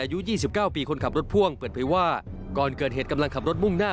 อายุ๒๙ปีคนขับรถพ่วงเปิดเผยว่าก่อนเกิดเหตุกำลังขับรถมุ่งหน้า